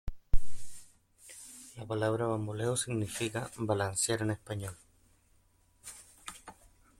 La palabra ""bamboleo"" significa ""balancear"" en español.